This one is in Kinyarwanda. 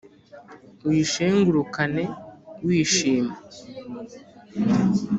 uyishengurukane wishima